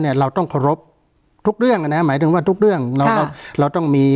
เนี่ยเราต้องทุกเรื่องนะฮะหมายถึงว่าทุกเรื่องค่ะเราต้องมี